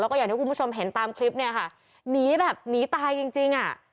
แล้วก็อย่างที่คุณผู้ชมเห็นตามคลิปเนี่ยค่ะหนีแบบหนีตายจริงจริงอ่ะ